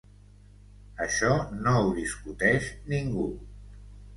Això no ho discuteix ningú.